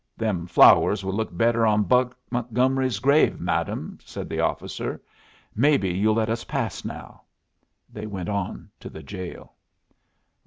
"Them flowers would look better on Buck Montgomery's grave, madam," said the officer. "Maybe you'll let us pass now." They went on to the jail.